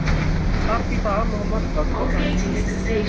তার পিতা মোহাম্মদ হযরত আলী।